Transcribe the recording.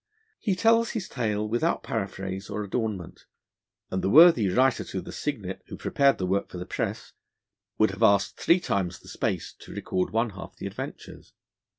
He tells his tale without paraphrase or adornment, and the worthy Writer to the Signet, who prepared the work for the Press, would have asked three times the space to record one half the adventures.